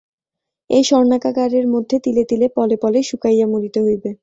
এই স্বর্ণকারাগারের মধ্যে তিলে তিলে পলে পলে শুকাইয়া মরিতে হইবে!